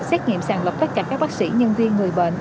xét nghiệm sàng lọc các bác sĩ nhân viên người bệnh